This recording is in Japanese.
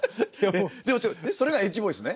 でもそれがエッジボイスね。